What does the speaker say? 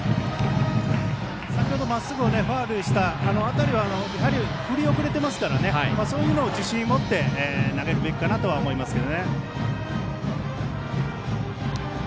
先程、まっすぐをファウルにした辺りは振り遅れていますからそういうのを自信を持って投げるべきかなとは思いますけど。